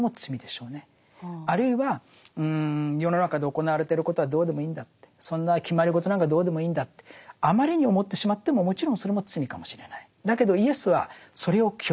あるいは世の中で行われてることはどうでもいいんだってそんな決まり事なんかどうでもいいんだってあまりに思ってしまってももちろんそれも罪かもしれない。